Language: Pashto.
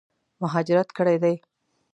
مهاجرت کړی دی.